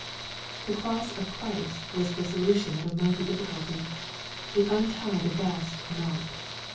The cross of Christ was the solution of a mighty difficulty. It untied a vast knot.